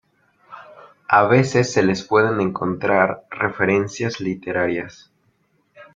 A veces se les pueden encontrar referencias literarias.